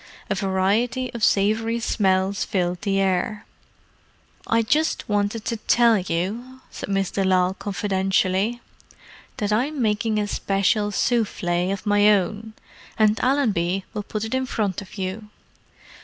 A variety of savoury smells filled the air. "I just wanted to tell you," said Miss de Lisle confidentially, "that I'm making a special souffle of my own, and Allenby will put it in front of you.